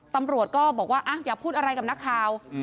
ตำรวจก็บอกว่าอย่าพูดอะไรกับนักข่าว